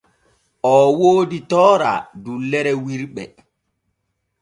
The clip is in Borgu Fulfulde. O woodi toora dullere wirɓe.